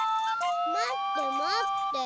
まってまって！